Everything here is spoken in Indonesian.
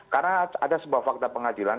karena ada sebuah fakta pengadilan